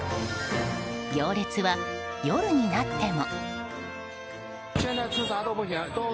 行列は、夜になっても。